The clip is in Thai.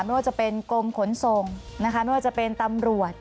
ไม่ว่าจะเป็นกรมขนส่งนะคะไม่ว่าจะเป็นตำรวจ